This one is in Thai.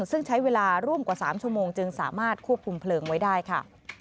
ซึ่งใช้เวลาร่วมกว่า๓ชั่วโมงจึงสามารถควบคุมเพลิงไว้ได้ค่ะ